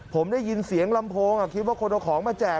ผมได้ยินเสียงลำโพงคิดว่าคนเอาของมาแจก